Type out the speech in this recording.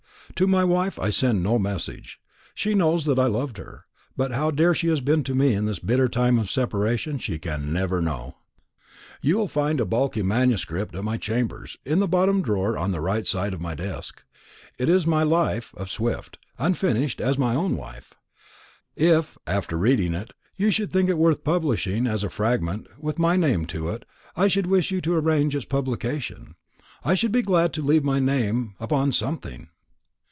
To my wife I send no message. She knows that I loved her; but how dear she has been to me in this bitter time of separation, she can never know. "You will find a bulky MS. at my chambers, in the bottom drawer on the right side of my desk. It is my Life of Swift unfinished as my own life. If, after reading it, you should think it worth publishing, as a fragment, with my name to it, I should wish you to arrange its publication. I should be glad to leave my name upon something."